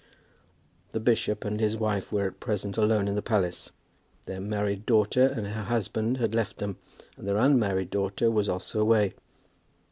The bishop and his wife were at present alone in the palace. Their married daughter and her husband had left them, and their unmarried daughter was also away.